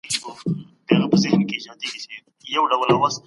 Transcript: د نیوکه کوونکو نظریات شریک سول.